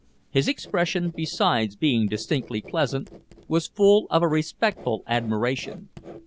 His expression, besides being distinctly pleasant, was full of a respectful admiration.